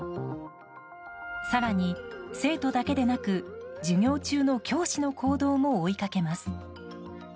更に、生徒だけでなく授業中の教師の行動も追いかけます。